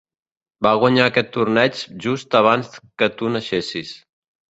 Va guanyar aquest torneig just abans que tu naixessis.